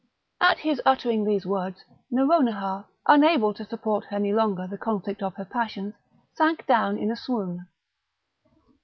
At his uttering these words Nouronihar, unable to support any longer the conflict of her passions, sank down in a swoon.